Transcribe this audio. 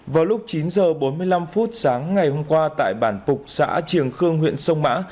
vào lúc chín h bốn mươi năm phút sáng ngày hôm qua tại bản phục xã triềng khương huyện sông mã